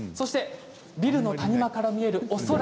ビルの谷間から見える、お空。